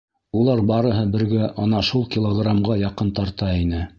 Улар барыһы бергә ана шул килограмға яҡын тарта ине.